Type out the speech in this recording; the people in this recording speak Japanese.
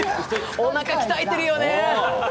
おなか鍛えてるよね。